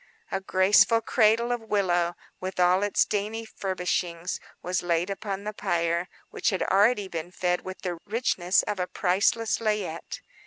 A graceful cradle of willow, with all its dainty furbishings, was laid upon the pyre, which had already been fed with the richness of a priceless layette.